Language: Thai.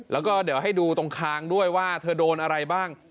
แล้วก็เดี๋ยวให้ดูตรงคางด้วยว่าเธอโดนอะไรบ้าง